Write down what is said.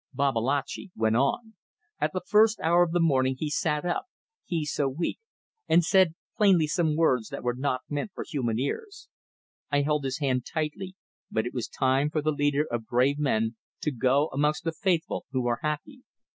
Babalatchi went on: "At the first hour of the morning he sat up he so weak and said plainly some words that were not meant for human ears. I held his hand tightly, but it was time for the leader of brave men to go amongst the Faithful who are happy.